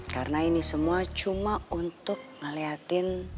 karena ini semua cuma untuk ngeliatin